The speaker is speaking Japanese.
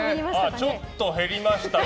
ちょっと減りましたか。